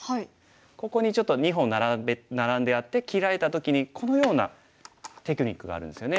ここにちょっと２本ナラんであって切られた時にこのようなテクニックがあるんですよね。